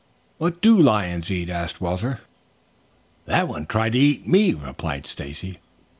"What do lions eat?" asked Walter. "That one tried to eat me," replied Stacy.